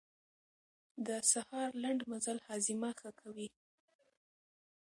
د سهار لنډ مزل هاضمه ښه کوي.